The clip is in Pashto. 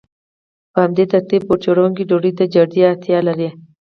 په همدې ترتیب بوټ جوړونکی ډوډۍ ته جدي اړتیا لري